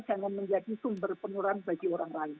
jangan menjadi sumber penularan bagi orang lain